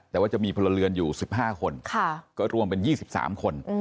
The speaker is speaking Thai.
แต่ว่าจะมีพลเรือนอยู่๑๕คนก็รวมเป็น๒๓คน